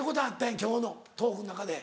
今日のトークの中で。